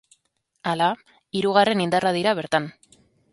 Hala, hirugarren indarra dira bertan.